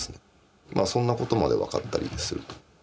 そんなことまで分かったりすると。